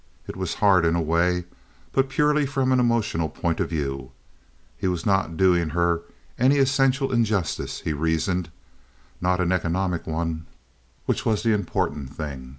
It was hard in a way, but purely from an emotional point of view. He was not doing her any essential injustice, he reasoned—not an economic one—which was the important thing.